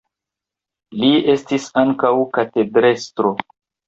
Li estis ankaŭ katedrestro.